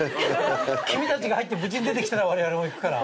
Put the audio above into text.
君たちが入って無事に出てきたらわれわれも行くから。